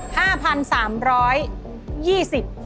ครับ